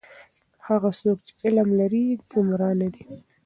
هغه څوک چې علم لري گمراه نه دی.